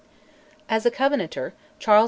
As a Covenanter, Charles II.